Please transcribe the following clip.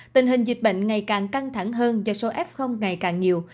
tình hình dịch bệnh ngày càng căng thẳng hơn do số f ngày càng nhiều